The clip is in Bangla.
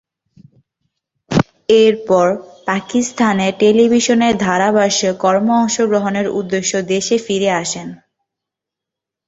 এরপর পাকিস্তান টেলিভিশনে ধারাভাষ্য কর্মে অংশগ্রহণের উদ্দেশ্যে দেশে ফিরে আসেন।